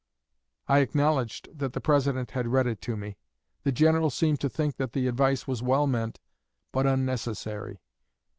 I acknowledged that the President had read it to me. The General seemed to think that the advice was well meant, but unnecessary.